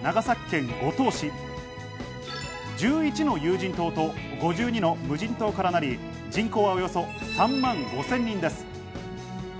１１の有人島と５２の無人島からなり、人口はおよそ３万５０００人です。